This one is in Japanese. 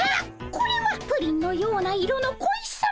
これはプリンのような色の小石さま！